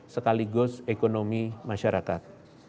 sekaligus ekonomi masyarakat